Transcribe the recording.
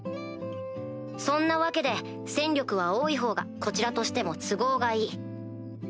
そんなわけで戦力は多いほうがこちらとしても都合がいい。